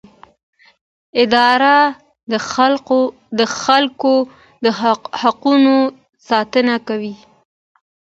اداره د خلکو د حقونو ساتنه کوي.